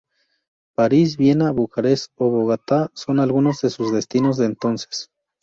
París, Viena, Bucarest o Bogotá son algunos de sus destinos de entonces.